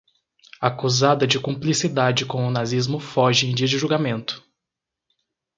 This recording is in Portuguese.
Acusada de cumplicidade com o nazismo foge em dia de julgamento